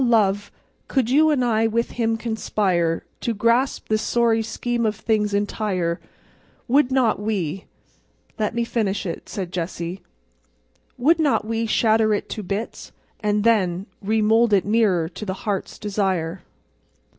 Love, could you and I with Him conspire To grasp this sorry Scheme of Things entire Would not we—'" "Let me finish it," said Jessie. "'Would not we shatter it to bits—and then Remould it nearer to the Heart's Desire!